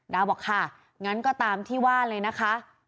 บอกค่ะงั้นก็ตามที่ว่าเลยนะคะ